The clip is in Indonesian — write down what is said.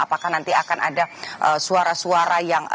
apakah nanti akan ada suara suara yang